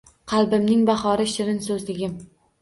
Qalbimning bahori, shirin so`zligim